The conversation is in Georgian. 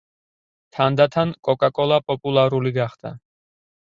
თანდათან კოკა-კოლა პოპულალური გახდა.